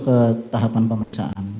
ke tahapan pemeriksaan